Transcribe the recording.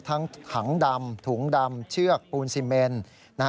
ทั้งถังดำถุงดำเชือกปูนซีเมน